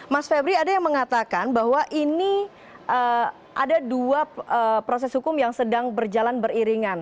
mas febri ada yang mengatakan bahwa ini ada dua proses hukum yang sedang berjalan beriringan